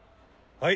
はい。